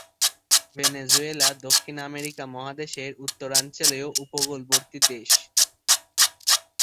Venezuela দক্ষিণ America মহাদেশের উত্তরাঞ্চলীয় উপকূলবর্তী দেশ।